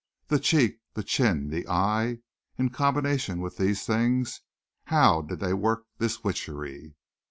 The cheek, the chin, the eye in combination with these things how did they work this witchery?